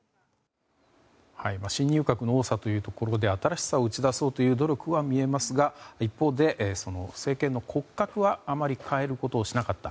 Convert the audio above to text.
新入閣の多さというところで新しさを打ち出そうという努力は見えますが、一方で政権の骨格はあまり変えることをしなかった。